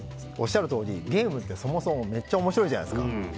おっしゃるとおりゲームってそもそもめっちゃ面白いじゃないですか。